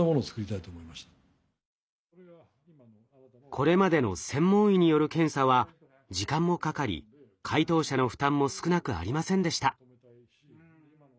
これまでの専門医による検査は時間もかかり回答者の負担も少なくありませんでした。